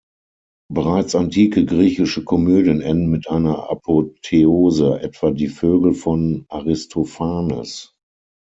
Bereits antike griechische Komödien enden mit einer Apotheose, etwa "Die Vögel" von Aristophanes.